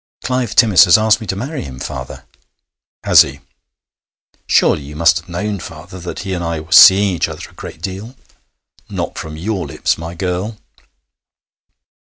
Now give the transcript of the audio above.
'Clive Timmis has asked me to marry him, father.' 'Has he!' 'Surely you must have known, father, that he and I were seeing each other a great deal.' 'Not from your lips, my girl.'